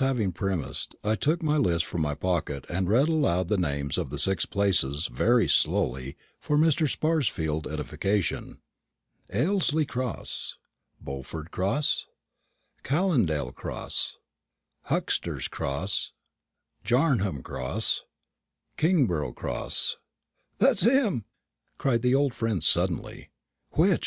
Having thus premised, I took my list from my pocket and read aloud the names of the six places, very slowly, for Mr. Sparsfield's edification. "Aylsey Cross Bowford Cross Callindale Cross Huxter's Cross Jarnam Cross Kingborough Cross." "That's him!" cried my old friend suddenly. "Which?"